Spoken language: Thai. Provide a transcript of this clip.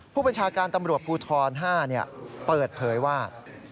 ผู้บัญชาการตำรวจภูทร๕เปิดเผยว่า